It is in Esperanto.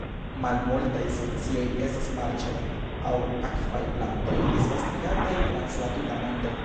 Malmultaj specioj estas marĉaj aŭ akvaj plantoj disvastigataj trans la tuta mondo.